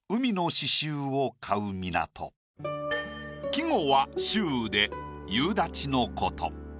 季語は「驟雨」で夕立のこと。